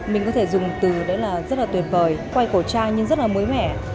mình có thể dùng từ rất tuyệt vời quay cổ trang nhưng rất mới mẻ